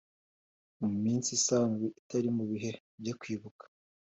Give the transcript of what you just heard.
Mu minsi isanzwe itari mu bihe byo Kwibuka,